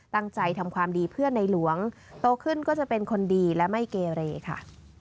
ตั้งใจทำความดีเพื่อนในหลวงโตขึ้นก็จะเป็นคนดีและไม่เกเรค่ะ